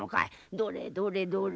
どれどれどれ。